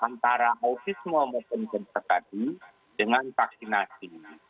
antara autisme maupun pencernaan dengan vaksinasi